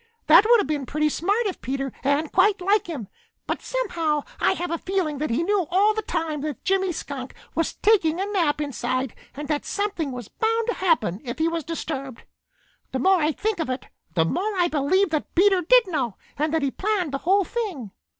That would have been pretty smart of Peter and quite like him. But somehow I have a feeling that he knew all the time that Jimmy Skunk was taking a nap inside and that something was bound to happen if he was disturbed. The more I think of it, the more I believe that Peter did know and that he planned the whole thing.